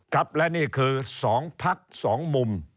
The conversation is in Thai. ครับและนี่คือ๒พัก๒มุม